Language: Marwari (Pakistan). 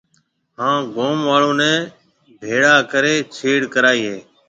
ھان گوم آݪو نيَ ڀيݪا ڪرَي ڇيڙ ڪرائيَ ھيََََ